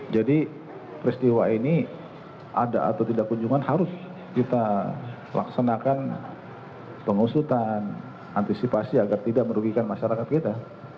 jadi peristiwa ini ada atau tidak kunjungan harus kita laksanakan pengusutan antisipasi agar tidak merugikan masyarakat kita